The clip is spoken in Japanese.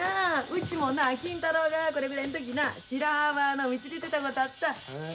うちもな金太郎がこれぐらいの時な白浜の海連れてったことあった。